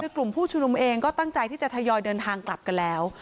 กลุ่มผู้ชุมนุมเองก็ตั้งใจที่จะทยอยเดินทางกลับกันแล้ว